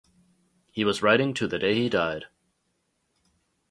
He was writing to the day he died.